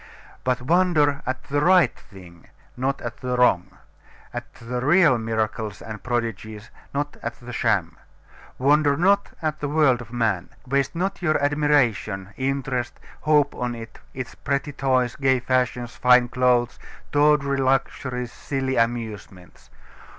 But wonder at the right thing, not at the wrong; at the real miracles and prodigies, not at the sham. Wonder not at the world of man. Waste not your admiration, interest, hope on it, its pretty toys, gay fashions, fine clothes, tawdry luxuries, silly amusements.